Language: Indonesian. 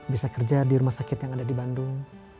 bisa kerja di rumah sakit yang ada di bandung